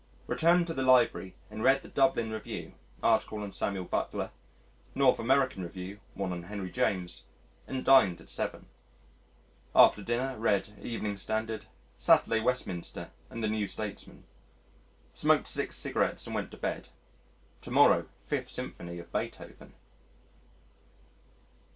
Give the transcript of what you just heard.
Returned to the Library and read the Dublin Review (article on Samuel Butler), North American Review (one on Henry James) and dined at seven. After dinner, read: Evening Standard, Saturday Westminster, and the New Statesman. Smoked six cigarettes and went to bed. To morrow Fifth Symphony of Beethoven.